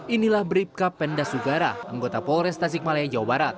inilah bribka penda sugara anggota polres tasikmalaya jawa barat